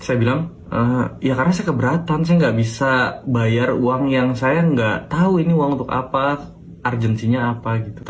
husein mengatakan bahwa dia tidak bisa membayar uang untuk kepentingan acara latihan dasar guru muda